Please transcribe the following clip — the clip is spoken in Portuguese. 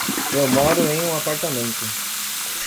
Eu moro em um apartamento.